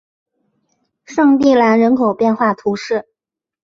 圣蒂兰人口变化图示